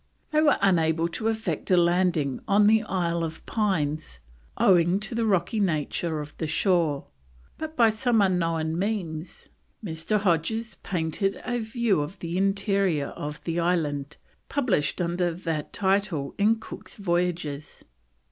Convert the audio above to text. They were unable to effect a landing on the Isle of Pines owing to the rocky nature of the shore, but by some unknown means Mr. Hodges painted a view of the interior of the island, published under that title in Cook's Voyages.